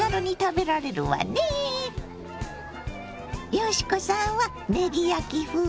嘉子さんはねぎ焼き風？